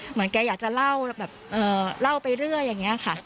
เหมือนแกอยากจะเล่าไปเรื่อยอย่างเงี้ยค่ะ